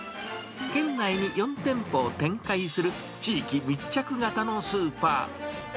県内に４店舗を展開する、地域密着型のスーパー。